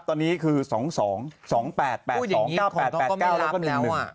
ตอนนี้คือสองสองสองแปดแปดสองเก้าแปดแปดเก้าแล้วก็หนึ่งหนึ่ง